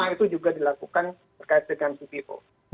itu juga dilakukan terkait dengan cpo